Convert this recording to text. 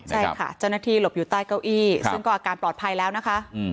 ใช่ค่ะเจ้าหน้าที่หลบอยู่ใต้เก้าอี้ซึ่งก็อาการปลอดภัยแล้วนะคะ